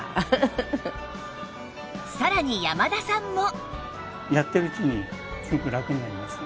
さらに山田さんも